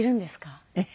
えっ？